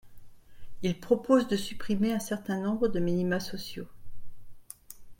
Il propose de supprimer un certain nombre de minima sociaux.